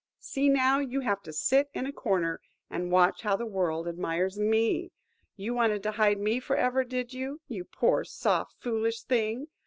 See, now, you have to sit in a corner, and watch how the world admires me! You wanted to hide me for ever, did you, you poor, soft, foolish thing?